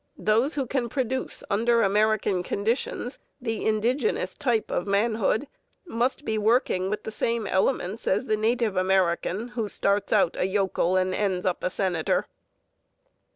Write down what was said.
Those who can produce under American conditions the indigenous type of manhood must be working with the same elements as the native American who starts out a yokel and ends up a senator.